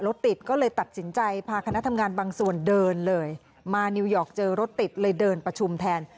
รถติดก็เลยตัดสินใจพาคณะทำงานบางส่วนเดินเลยมานิวยอร์กเจอรถติดเลยเดินประชุมแทน